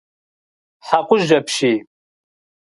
Хьэкъужь апщий.